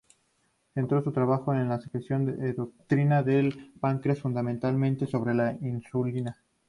Centró sus trabajos en la secreción endocrina del páncreas, fundamentalmente sobre la insulina.